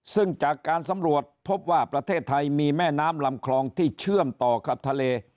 ซึ่งจากการสำรวจพบว่าประเทศไทยมีแม่น้ำลำคลองที่เชื่อมต่อกับทะเล